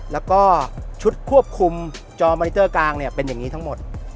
แล้วก็ชุดควบคุมจอมอนิเตอร์กลางเนี่ยเป็นอย่างนี้ทั้งหมด